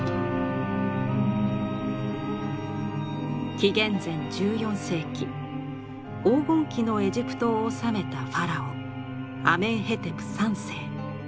紀元前１４世紀黄金期のエジプトを治めたファラオアメンヘテプ３世。